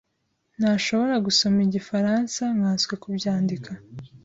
Ntashobora gusoma igifaransa, nkanswe kubyandika.